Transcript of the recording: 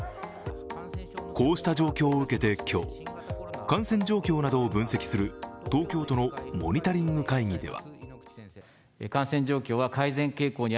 こうした状況を受けて今日感染状況などを分析する東京都のモニタリング会議では。